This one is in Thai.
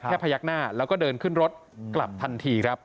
พยักหน้าแล้วก็เดินขึ้นรถกลับทันทีครับ